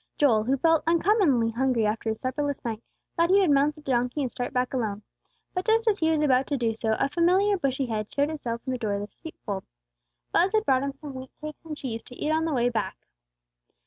Joel, who felt uncommonly hungry after his supperless night, thought he would mount the donkey and start back alone. But just as he was about to do so, a familiar bushy head showed itself in the door of the sheepfold. Buz had brought him some wheat cakes and cheese to eat on the way back.